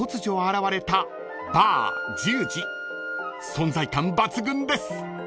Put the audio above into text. ［存在感抜群です］